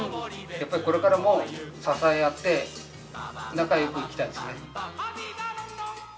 やっぱりこれからも支え合って、仲よくいきたいですね。